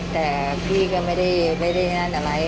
แต่พี่ก็ไม่ได้นั่นอะไร